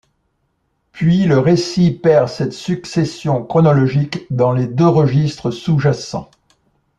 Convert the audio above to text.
Puis le récit perd cette succession chronologique dans les deux registres sous-jacents.